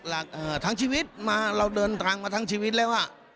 ทั้งชีวิตมาเราเดินทางมาทั้งชีวิตแล้วอ่ะ